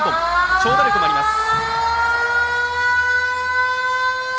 長打力もあります。